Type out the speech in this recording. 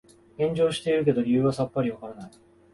炎上してるけど理由がさっぱりわからない